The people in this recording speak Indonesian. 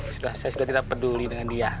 sudah saya sudah tidak peduli dengan dia